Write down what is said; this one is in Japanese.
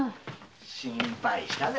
心配したぜ。